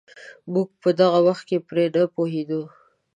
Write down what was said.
موږ په دغه وخت کې پرې نه پوهېدو.